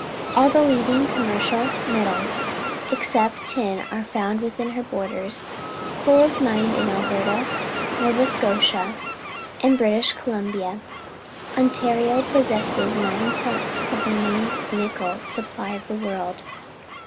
All the leading commercial metals, except tin, are found within her borders. Coal is mined in Alberta, Nova Scotia, and British Columbia. Ontario possesses nine tenths of the known nickel supply of the world.